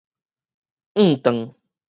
怏頓